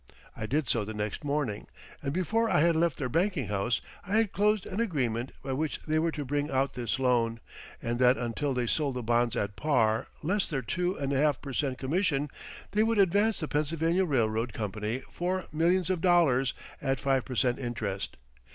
I did so the next morning, and before I had left their banking house I had closed an agreement by which they were to bring out this loan, and that until they sold the bonds at par, less their two and a half per cent commission, they would advance the Pennsylvania Railroad Company four millions of dollars at five per cent interest.